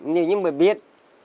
nhiều người biết